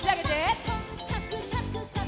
「こっかくかくかく」